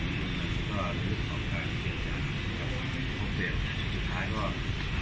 แล้วก็ในเรื่องของการเกียรติกับส่วนกันกับสัตว์ทุกเกียรติ